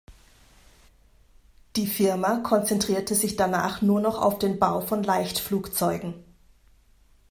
Die Firma konzentrierte sich danach nur noch auf den Bau von Leichtflugzeugen.